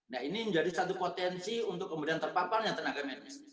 nah ini menjadi satu potensi untuk kemudian terpaparnya tenaga medis